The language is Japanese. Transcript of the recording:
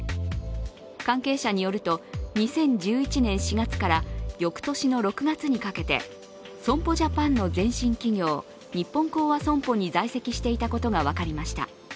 関係者によると、２０１１年４月から翌年の６月にかけて損保ジャパンの前身企業日本興亜損保に在籍していたことが分かりました。